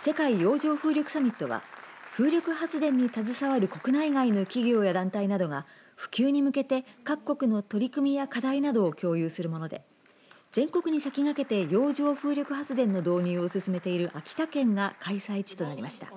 世界洋上風力サミットは風力発電に携わる国内外の企業や団体などが普及に向けて各国の取り組みや課題などを共有するもので全国に先駆けて洋上風力発電の導入を進めている秋田県が開催地となりました。